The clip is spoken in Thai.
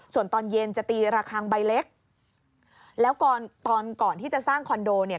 ส่วนตอนเย็นจะตีระคังใบเล็กแล้วตอนตอนก่อนที่จะสร้างคอนโดเนี่ย